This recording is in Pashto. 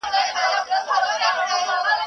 نن دي واری د عمل دی قدم اخله روانېږه !.